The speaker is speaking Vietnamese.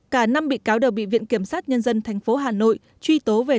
cả năm bị cáo đều bị viện kiểm sát nhân dân tp hà nội truy tố về